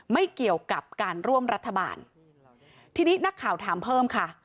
ไม่เกี่ยวกับการร่วมรัฐบาลทีนี้นักข่าวถามเพิ่มค่ะ